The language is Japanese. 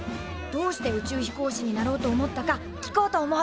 どうして宇宙飛行士になろうと思ったか聞こうと思う！